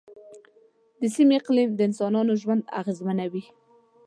د سیمې اقلیم د انسانانو ژوند اغېزمنوي.